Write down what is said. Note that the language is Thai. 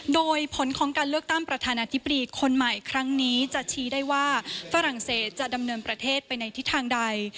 โดยผลของการเลือกตั้งประธานาธิบดีคนใหม่ครั้งนี้จะชี้ได้ว่าฝรั่งเศสจะดำเนินประเทศไปในทิศทางใด